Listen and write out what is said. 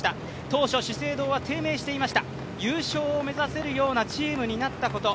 当初資生堂は低迷してました優勝を目指せるようなチームになったこと。